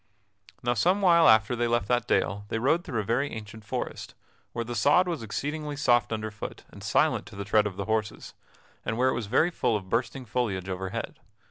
Now some while after they left that dale they rode through a very ancient forest, where the sod was exceedingly soft underfoot and silent to the tread of the horses, and where it was very full of bursting foliage overhead.